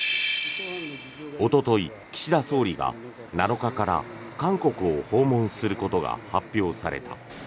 おととい、岸田総理が７日から韓国を訪問することが発表された。